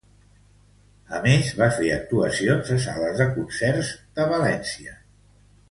A més, va fer actuacions a sales de concerts de València.